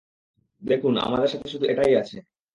দেখুন, আমাদের সাথে শুধু এটাই আছে।